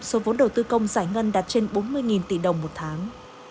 số vốn đầu tư công giải ngân đạt trên bốn mươi tỷ đồng một tháng